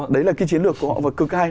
đấy là chiến lược của họ và cực ai